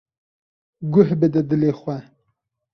Guh bide dilê xwe.